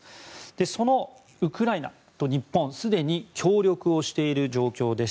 そのウクライナと日本すでに協力をしている状況です。